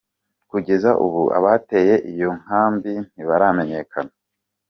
Kugeza ubu abateye iyo nkambi ntibaramenyekana.